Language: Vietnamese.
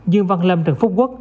dương văn lâm trần phúc quốc